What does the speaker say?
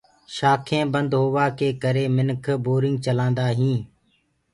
شآکينٚ بند هوآ ڪي ڪري منک بورينگ چلآندآ هينٚ۔